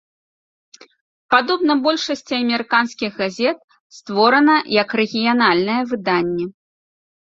Падобна большасці амерыканскіх газет, створана як рэгіянальнае выданне.